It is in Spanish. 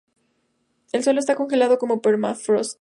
El suelo está congelado como permafrost.